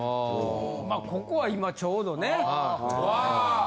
まあここは今ちょうどね。わ！